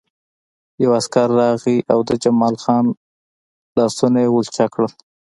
یو عسکر راغی او د جمال خان لاسونه یې ولچک کړل